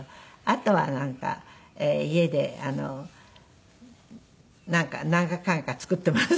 あとはなんか家でなんかかんか作っています。